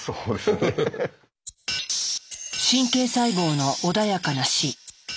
「神経細胞の穏やかな死」。